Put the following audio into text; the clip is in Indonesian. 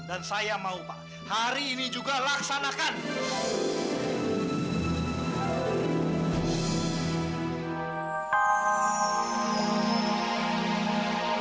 dan saya mau pak hari ini juga laksanakan